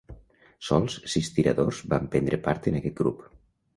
Sols sis tiradors van prendre part en aquest grup.